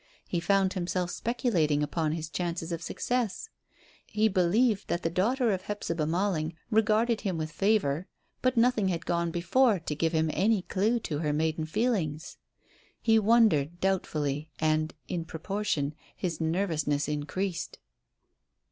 He found himself speculating upon his chances of success. He believed that the daughter of Hephzibah Malling regarded him with favour, but nothing had gone before to give him any clue to her maiden feelings. He wondered doubtfully, and, in proportion, his nervousness increased.